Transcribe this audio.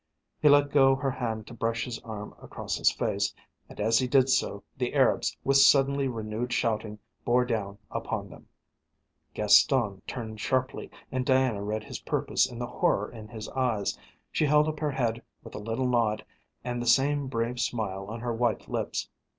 He let go her hand to brush his arm across his face, and as he did so the Arabs with suddenly renewed shouting bore down upon them. Gaston turned sharply and Diana read his purpose in the horror in his eyes. She held up her head with a little nod and the same brave smile on her white lips.